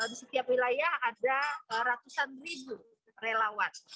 di setiap wilayah ada ratusan ribu relawan